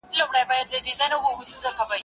تکړښت د ښوونکي له خوا ښوول کيږي؟!